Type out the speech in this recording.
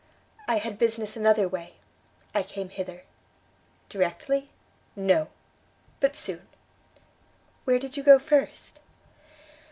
"I had business another way. I came hither." "Directly?" "No; but soon." "Where did you go first?"